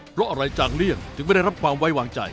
เพราะอะไรจางเลี่ยงถึงไม่ได้รับความไว้วางใจ